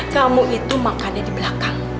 kamu itu makan aja di belakang